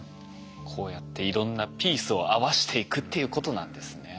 こうやっていろんなピースを合わしていくっていうことなんですね。